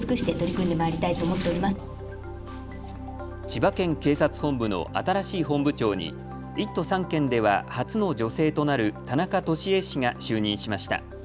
千葉県警察本部の新しい本部長に１都３県では初の女性となる田中俊恵氏が就任しました。